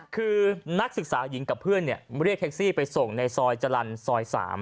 คือนักศึกษาหญิงกับเพื่อนเรียกแท็กซี่ไปส่งในซอยจรรย์ซอย๓